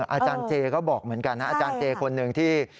อาจารย์เจก็บอกเหมือนกันนะอาจารย์เจคนหนึ่งที่